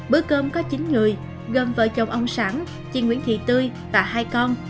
bữa cơm có chín người gồm vợ chồng ông sản chị nguyễn thị tươi và hai con